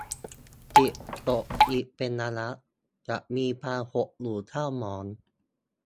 จิตตกอีกเป็นระยะ จะมีความหดหู่เศร้าหมอง